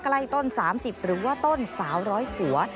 ใกล้ต้น๓๐หรือว่าต้นสาวร้อยหัว